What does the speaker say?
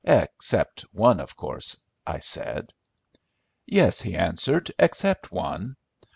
"Except one, of course," I said. "Yes," he answered, "except one.